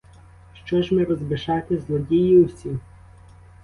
Що ж ми, розбишаки, злодії усі?